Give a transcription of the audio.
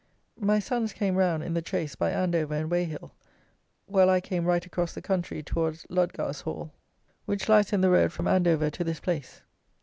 My sons came round, in the chaise, by Andover and Weyhill, while I came right across the country towards Ludgarshall, which lies in the road from Andover to this place.